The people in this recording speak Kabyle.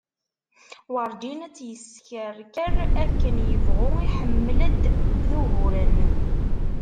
Warǧin ad tt-yeskeṛkeṛ akken yebɣu iḥeml-d d uguren